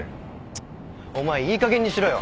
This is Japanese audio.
お前いいかげんにしろよ。